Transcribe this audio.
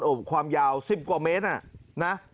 ความยาว๑๐กว่าเมตรนะ